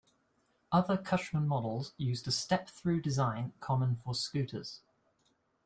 Other Cushman models used a step-through design common for scooters.